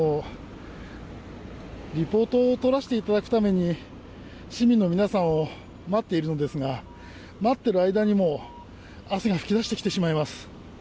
リポートをとらせていただくために市民の皆さんを待っているのですが待っている間にも汗が噴き出してきてしまいます。